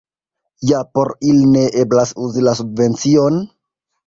Ja por ili ne eblas uzi la subvencion?